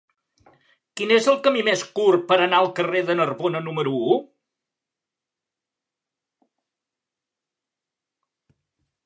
Quin és el camí més curt per anar al carrer de Narbona número u?